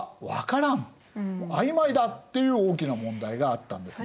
あいまいだっていう大きな問題があったんですね。